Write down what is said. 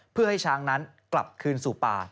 เพื่อให้ช้างนั้นกลับคืนสู่ป่า